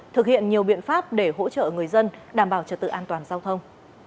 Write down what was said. thực hiện nhiều biện pháp để hỗ trợ người dân đảm bảo trật tự an toàn giao thông